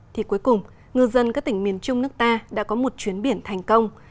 thì cuối cùng ngư dân các tỉnh miền trung nước ta đã có một chuyến biển thành công